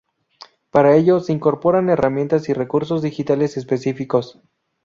Para ello se incorporan herramientas y recursos digitales específicos.